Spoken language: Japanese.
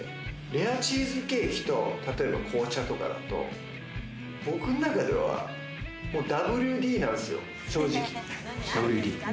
レアチーズケーキと、例えば紅茶とかだと僕の中ではＷＤなんですよ、正直。